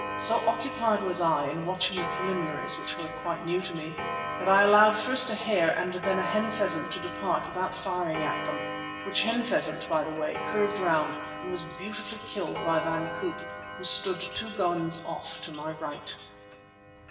So occupied was I in watching the preliminaries, which were quite new to me, that I allowed first a hare and then a hen pheasant to depart without firing at them, which hen pheasant, by the way, curved round and was beautifully killed by Van Koop, who stood two guns off upon my right.